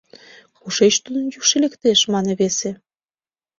— Кушеч тудын йӱкшӧ лектеш, — мане весе.